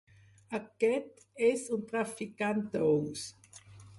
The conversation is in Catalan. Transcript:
Aquest és un traficant d'ous.